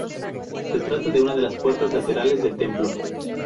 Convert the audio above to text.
Se trata de una de las puertas laterales del templo.